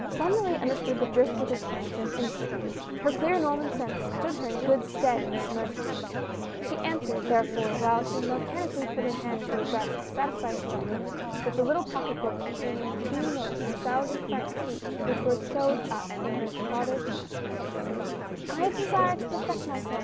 Bonne Marie understood the drift of this question instantly. Her clear Norman sense stood her in good stead in this emergency. She answered, therefore, while she mechanically put her hand to her breast to satisfy herself that the little pocket book containing the two notes of a thousand francs each, which were found sewed up in her father's mattrass, was safe : "I desire to perfect myself.